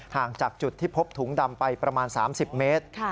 ห่างจากจุดที่พบถุงดำไปประมาณ๓๐เมตร